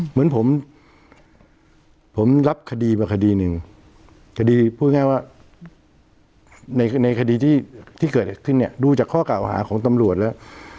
เหมือนผมผมรับคดีมาคดีหนึ่งคดีพูดง่ายว่าในคดีที่เกิดขึ้นเนี่ยดูจากข้อกล่าวหาของตำรวจแล้ว